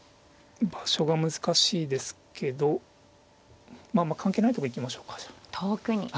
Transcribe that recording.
場所が難しいですけどまあ関係ないとこ行きましょうかじゃあ。